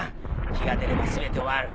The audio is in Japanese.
日が出れば全て終わる。